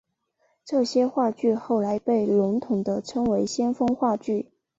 这些话剧后来被笼统地称为先锋话剧。